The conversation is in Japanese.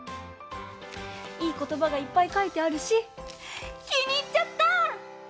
いいことばがいっぱい書いてあるし気に入っちゃった！